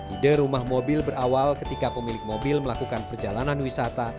ide rumah mobil berawal ketika pemilik mobil melakukan perjalanan wisata